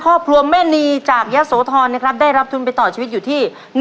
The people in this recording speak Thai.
ครอบครัวแม่นีจากยะโสธรนะครับได้รับทุนไปต่อชีวิตอยู่ที่